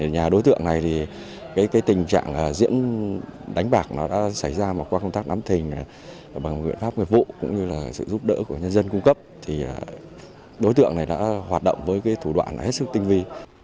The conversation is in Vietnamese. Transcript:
nhà đối tượng này tình trạng diễn đánh bạc đã xảy ra qua công tác nắm thình bằng nguyện pháp nghiệp vụ cũng như sự giúp đỡ của nhân dân cung cấp đối tượng này đã hoạt động với thủ đoạn hết sức tinh vi